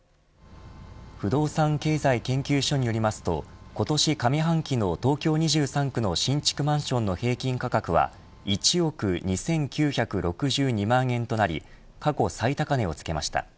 不動産経済研究所によりますと今年上半期の東京２３区の新築マンションの平均価格は１億２９６２万円となり過去最高値をつけました。